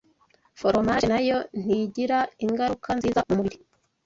Foromaje na yo ntigira ingaruka nziza mu mubiri.